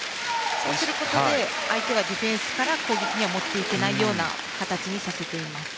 そうすることで相手がディフェンスから攻撃に持っていけないような形にさせています。